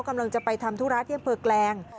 กำลังจะไปทำธุรัสเยี่ยมเผลอแกรง